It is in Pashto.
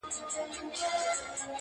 ناځواني ـ